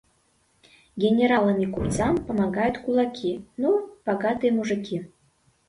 Генералам и купцам помогают кулаки, ну, богатые мужики.